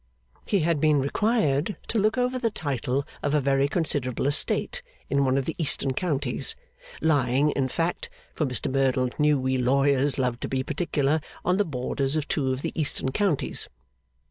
He had been required to look over the title of a very considerable estate in one of the eastern counties lying, in fact, for Mr Merdle knew we lawyers loved to be particular, on the borders of two of the eastern counties.